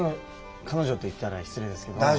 彼女と言ったら失礼ですけど。